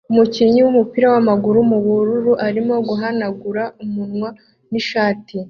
Umukinnyi wumupira wamaguru mubururu arimo guhanagura umunwa nishati